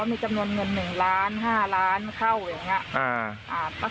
มีจำนวนเงิน๑ล้าน๕ล้านเข้าอย่างนี้